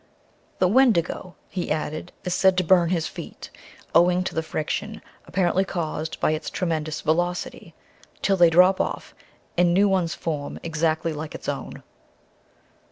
"The Wendigo," he added, "is said to burn his feet owing to the friction, apparently caused by its tremendous velocity till they drop off, and new ones form exactly like its own."